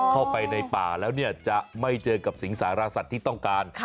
เข้าไปในป่าแล้วเนี่ยจะไม่เจอกับสิงสารสัตว์ที่ต้องการ